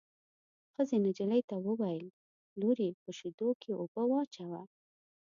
ښځې نجلۍ ته وویل: لورې په شېدو کې اوبه واچوه.